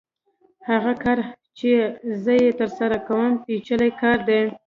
هغه کار چې زه یې ترسره کوم پېچلی کار دی